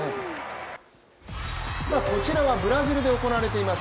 こちらはブラジルで行われています